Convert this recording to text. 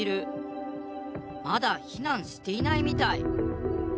まだ避難していないみたい。